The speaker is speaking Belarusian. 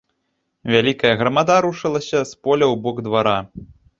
Вялікая грамада рушылася з поля ў бок двара.